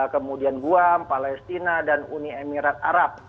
kemudian guam palestina dan uni emirat arab